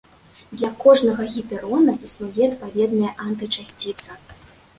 Для кожнага гіперона існуе адпаведная антычасціца.